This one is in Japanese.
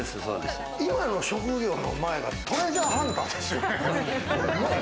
今の職業の前がトレジャーハンターですよね。